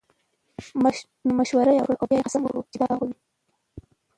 نو مشوره ئي وکړه، او بيا ئي قسم وکړو چې دا باغ به